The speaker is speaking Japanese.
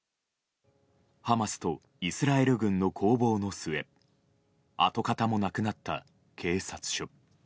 ハマスとイスラエル軍の攻防の末跡形もなくなった警察署。